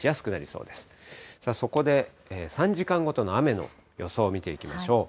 そこで３時間ごとの雨の予想を見ていきましょう。